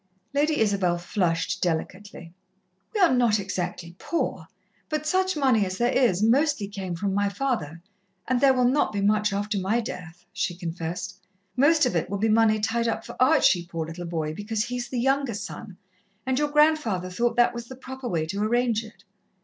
Lady Isabel flushed delicately. "We are not exactly poor, but such money as there is mostly came from my father, and there will not be much after my death," she confessed. "Most of it will be money tied up for Archie, poor little boy, because he is the younger son, and your grandfather thought that was the proper way to arrange it.